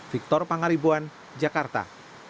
victor pangaribuan jakarta